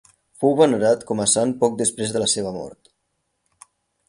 Fou venerat com a sant poc després de la seva mort.